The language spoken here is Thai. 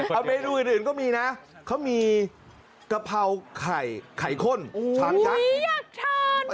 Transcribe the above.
เอาเมนูอื่นก็มีนะเขามีกะเพราไข่ข้นชามยักษ์